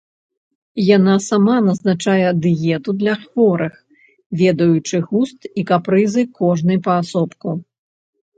Яна сама назначае дыету для хворых, ведаючы густ і капрызы кожнай паасобку.